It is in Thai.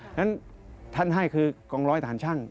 ฉะนั้นท่านให้คือกองร้อยทหารช่าง